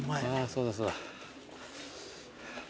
そうだそうだ。